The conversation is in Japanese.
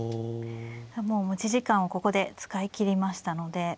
もう持ち時間をここで使い切りましたので。